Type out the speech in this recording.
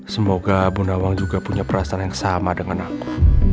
semoga bu nawang juga punya perasaan yang sama dengan aku